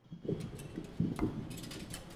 越南史料中称她为玉云。